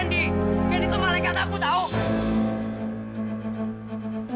candy tuh malaikat aku tau